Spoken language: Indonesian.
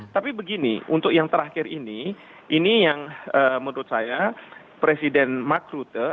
tapi begini untuk yang terakhir ini ini yang menurut saya presiden mark rute